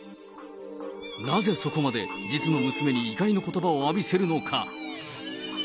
なぜそこまで、実の娘に怒りのことばを浴びせるのか。